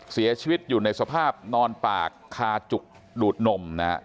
เสียชีวิตอยู่ในสภาพนอนปากคาจุกดูดนมนะฮะ